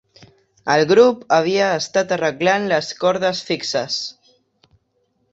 El grup havia estat arreglant les cordes fixes.